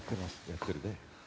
やってるね。